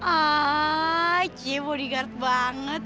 aaaaah cie bodyguard banget